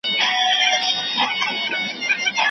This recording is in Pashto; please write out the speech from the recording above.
مخامخ یې کړله منډه په ځغستا سو